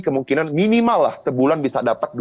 kemungkinan minimal lah sebulan bisa dapat